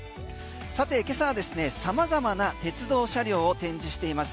さて、今朝は様々な鉄道車両を展示しています